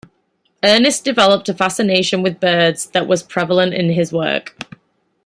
Ernst developed a fascination with birds that was prevalent in his work.